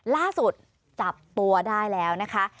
ล่าสุดจับตัวได้แล้วนะคะ